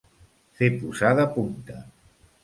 Fer posar de punta.